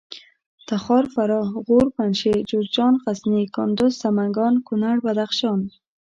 تخار فراه غور پنجشېر جوزجان غزني کندوز سمنګان کونړ بدخشان